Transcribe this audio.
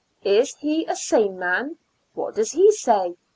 Is he a sane man? What does he say?